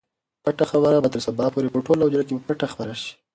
پټه خبره به تر سبا پورې په ټوله حجره کې په پټه خپره شي.